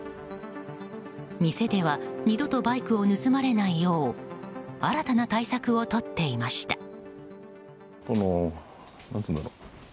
店では二度とバイクを盗まれないよう新たな対策をとっていました。